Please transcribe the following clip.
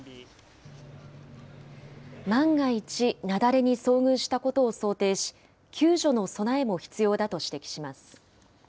万が一、雪崩に遭遇したことを想定し、救助の備えも必要だと指摘します。